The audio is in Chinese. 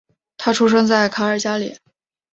他出生在卡尔加里。